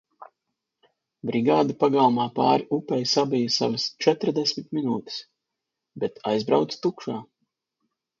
Brigāde pagalmā pāri upei sabija savas četrdesmit minūtes, bet aizbrauca tukšā.